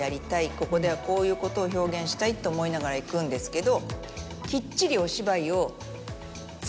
ここではこういうことを表現したいって思いながらいくんですけど。